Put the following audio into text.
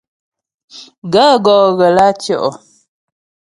Gaə̂ gɔ́ ghə lǎ tyə́'ɔ ?